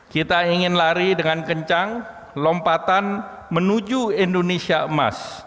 kita ingin lari dengan kencang lompatan menuju indonesia emas